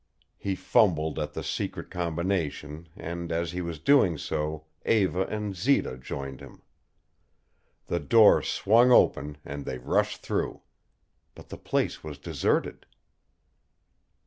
He fumbled at the secret combination, and as he was doing so Eva and Zita joined him. The door swung open and they rushed through. But the place was deserted.